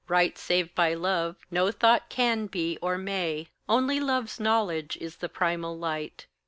Right save by love no thought can be or may; Only love's knowledge is the primal light.